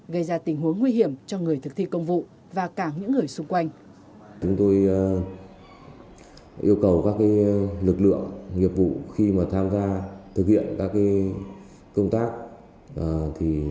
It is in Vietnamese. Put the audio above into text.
gây ra tình huống nguy hiểm cho người thực thi công vụ và cả những người xung quanh